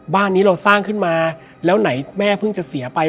บ้านนี้เราสร้างขึ้นมาแล้วไหนแม่เพิ่งจะเสียไป